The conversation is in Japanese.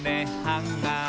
ハンガー